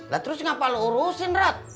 lah terus ngapa lo urusin rat